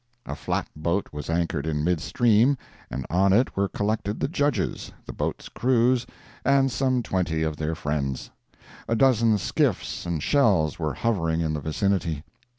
A flat boat was anchored in midstream, and on it were collected the judges, the boats' crews, and some twenty of their friends. A dozen skiffs and shells were hovering in the vicinity.